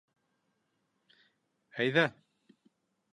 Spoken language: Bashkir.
Әйҙә!